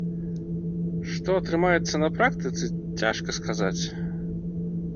Што атрымаецца на практыцы, цяжка сказаць.